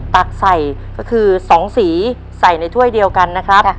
ตักใส่ก็คือ๒สีใส่ในถ้วยเดียวกันนะครับ